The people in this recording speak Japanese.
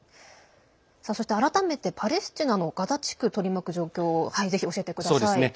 改めてパレスチナのガザ地区を取り巻く状況を教えてください。